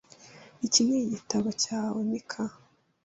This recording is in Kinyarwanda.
Iki ni igitabo cyawe, Mike?